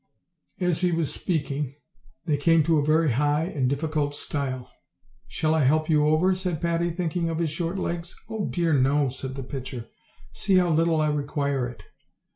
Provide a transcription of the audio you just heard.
As he was speaking they cam to a very high and difficult stile. OLD, OLD FAIRY TALES. 21 "Shall I help you over?" said Patty, thinking of his short legs. "Oh, dear, no!" said the pitcher; "see how little I require it."